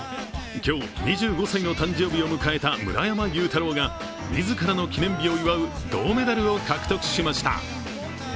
今日２５歳の誕生日を迎えた村山裕太郎が自らの記念日を祝う銅メダルを獲得しました。